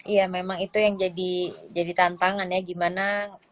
iya memang itu yang jadi jadi tantangannya gimana